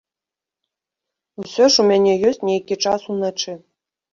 Усё ж у мяне ёсць нейкі час уначы.